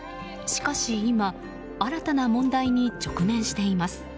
しかし今、新たな問題に直面しています。